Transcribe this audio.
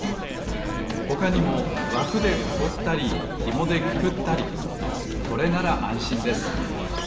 ほかにもわくでかこったりひもでくくったりこれならあんしんです。